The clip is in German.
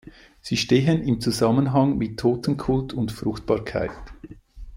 Sie stehen im Zusammenhang mit Totenkult und Fruchtbarkeit.